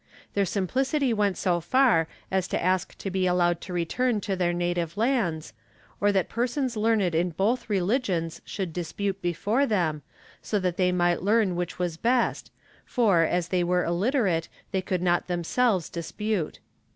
Their simplicity went so far as to ask to be allowed to return to their native lands, or that persons learned in both religions should dispute before them, so that they might learn which was best for, as they were illiterate, they could not themselves dispute.